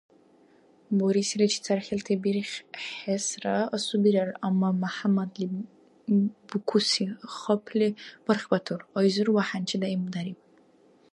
Бурусиличи цархӀилти бирххӀеэсра асубирар, амма МяхӀяммадли букуси хапли бархьбатур, айзур ва хӀянчи даимдариб.